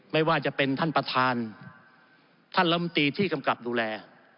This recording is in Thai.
ไม่ว่าจะเป็นท่านประธานท่านลำตีที่กำกับดูแล